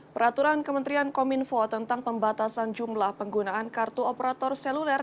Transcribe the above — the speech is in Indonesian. peraturan kementerian kominfo tentang pembatasan jumlah penggunaan kartu operator seluler